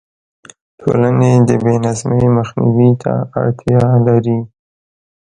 ټولنې د بې نظمۍ مخنیوي ته اړتیا لري.